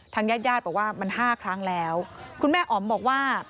ญาติญาติบอกว่ามันห้าครั้งแล้วคุณแม่อ๋อมบอกว่า